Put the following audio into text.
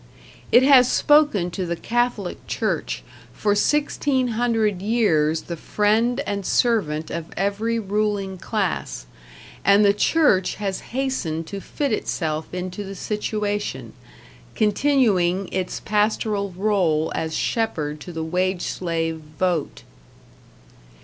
It has spoken to the Catholic Church, for sixteen hundred years the friend and servant of every ruling class; and the Church has hastened to fit itself into the situation, continuing its pastoral role as shepherd to the wage slave vote.